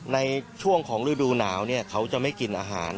ในช่วงของฤดูหนาวเขาจะไม่กินอาหาร